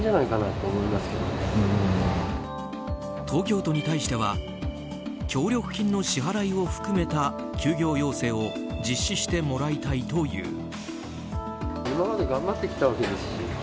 東京都に対しては協力金の支払いを含めた休業要請を実施してもらいたいという。